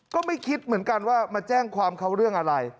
ก็ไม่คิดเหมือนกันว่ามาแจ้งความเขาเรื่องอะไร